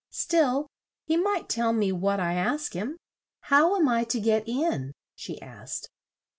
Still he might tell me what I ask him How am I to get in?" she asked.